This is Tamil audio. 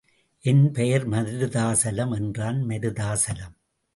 என் பெயர் மருதாசலம் என்றான் மருதாசலம்.